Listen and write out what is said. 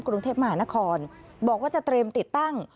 กรุงเทพมหานครบอกว่าจะเตรียมติดตั้ง